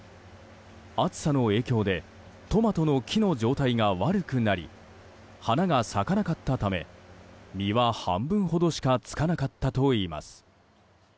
暑さの影響でトマトの木の状態が悪くなり花が咲かなかったため実は半分ほどしかつかなかったといいます。